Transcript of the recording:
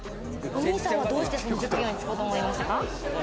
どうしてその職業に就こうと思いましたか？